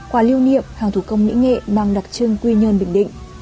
quà lưu niệm hàng thủ công mỹ nghệ mang đặc trưng quy nhơn bình định